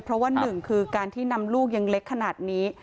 เพราะว่าหนึ่งคือการที่นำลูกยังเล็กขนาดนี้